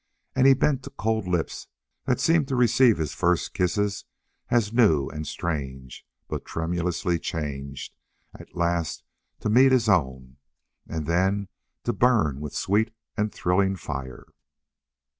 And he bent to cold lips that seemed to receive his first kisses as new and strange; but tremulously changed, at last to meet his own, and then to burn with sweet and thrilling fire.